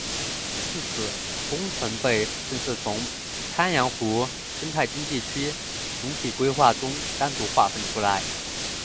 自此工程被正式从鄱阳湖生态经济区总体规划中单独划分出来。